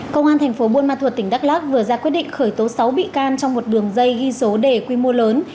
công an thành phố buôn ma thuột tỉnh đắk lắc vừa ra quyết định khởi tố sáu bị can trong một đường dây ghi số đề quy mô lớn